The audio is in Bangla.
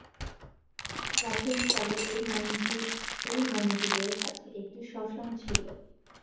প্রাচীনকালে এই মন্দিরের কাছে একটি শ্মশান ছিল।